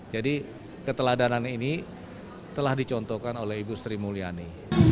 jadi keteladanan ini telah dicontohkan oleh ibu sri mulyani